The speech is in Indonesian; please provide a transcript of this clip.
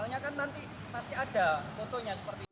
soalnya kan nanti pasti ada fotonya seperti itu